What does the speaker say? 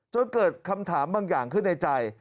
จนเกิดคำถามบางอย่างขึ้นในใจ